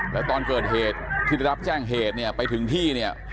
แล้วตอนเกิดเหตุที่ได้รับแจ้งเหตุเนี่ยไปถึงที่เนี่ย